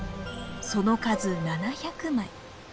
その数７００枚。